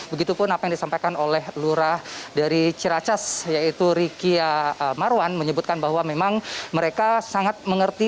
begitupun apa yang disampaikan oleh lurah dari ciracas yaitu rikia marwan menyebutkan bahwa memang mereka sangat mengerti